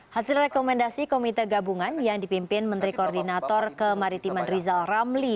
hasil rekomendasi komite gabungan yang dipimpin menteri koordinator kemaritiman rizal ramli